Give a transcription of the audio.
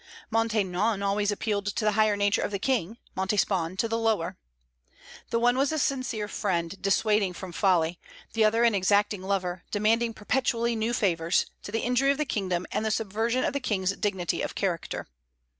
Maintenon always appealed to the higher nature of the King; Montespan to the lower. The one was a sincere friend, dissuading from folly; the other an exacting lover, demanding perpetually new favors, to the injury of the kingdom and the subversion of the King's dignity of character.